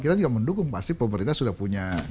kita juga mendukung pasti pemerintah sudah punya